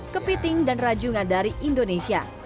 kepiting dan rajungan dari indonesia